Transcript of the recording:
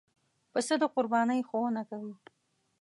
پسه د قربانۍ ښوونه کوي.